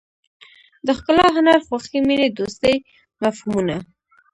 د ښکلا هنر خوښۍ مینې دوستۍ مفهومونه.